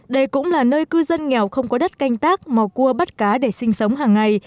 đây cũng là nơi cư dân nghèo không có đất canh tác mò cua bắt cá để sinh sống hàng ngày